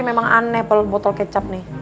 memang aneh botol kecap nih